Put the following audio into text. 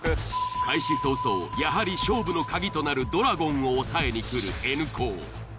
開始早々やはり勝負の鍵となるドラゴンを押さえに来るＮ高。